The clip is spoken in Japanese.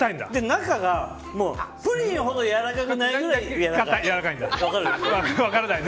中がプリンほどやわらかくないぐらいやわらかい。